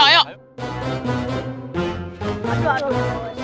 aduh aduh aduh aduh